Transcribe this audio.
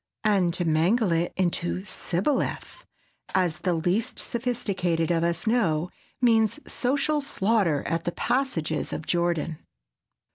And to mangle it into "sibboleth"—as the least sophisticated of us know—means social slaughter at the passages of Jordan.